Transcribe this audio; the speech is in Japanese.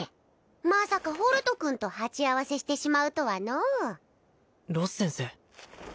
まさかホルト君と鉢合わせしてしまうとはのうロス先生